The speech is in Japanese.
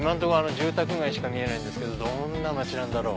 住宅街しか見えないけどどんな街なんだろう。